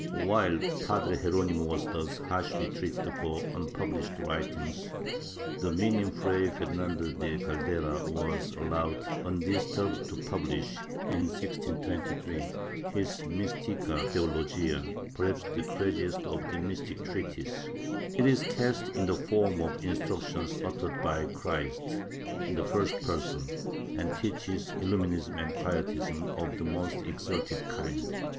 While Padre Geronimo was thus harshly treated for unpublished writings, the Minim Fray Fernando de Caldera was allowed undisturbed to pubhsh, in 1623, his Mistica Teologia, perhaps the craziest of the mystic treatises. It is ca st in the form of instructions uttered by Christ, in the first person, and teaches Illuminism and Quietism of the most exalted kind.